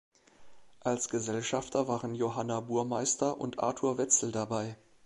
Als Gesellschafter waren Johanna Burmeister und Arthur Wetzel dabei.